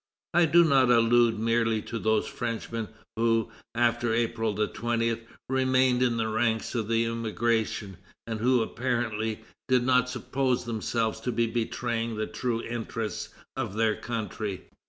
I do not allude merely to those Frenchmen who, after April 20, remained in the ranks of the Emigration, and who, apparently, did not suppose themselves to be betraying the true interests of their country.